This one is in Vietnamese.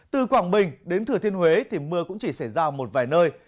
từ quảng bình đến thừa thiên huế thì mưa cũng chỉ xảy ra một vài nơi